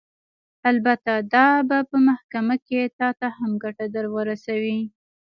البته دا به په محکمه کښې تا ته هم ګټه درورسوي.